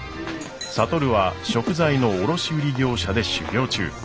智は食材の卸売業者で修業中。